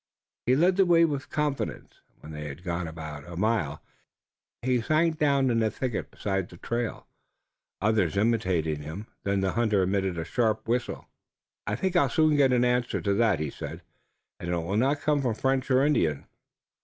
He led the way with confidence, and when they had gone about a mile he sank down in a thicket beside the trail, the others imitating him. Then the hunter emitted a sharp whistle. "I think I'll soon get an answer to that," he said, "and it'll not come from French or Indian."